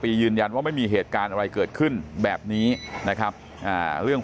ยืนยันว่าไม่มีเหตุการณ์อะไรเกิดขึ้นแบบนี้นะครับเรื่อง